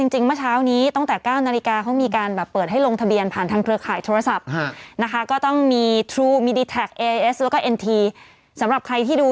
จริงมาเช้านี้ตั้งแต่๙นาฬิกาเขามีการแบบเปิดให้ลงทะเบียนผ่านทางเครือข่ายโทรศัพท์